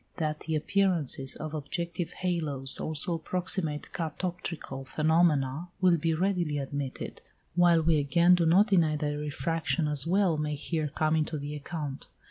That the appearances of objective halos also approximate catoptrical phenomena will be readily admitted, while we again do not deny that refraction as well may here come into the account.